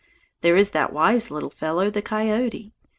There is that wise little fellow the coyote.